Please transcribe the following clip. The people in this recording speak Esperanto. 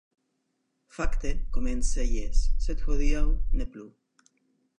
Fakte komence jes, sed hodiaŭ ne plu.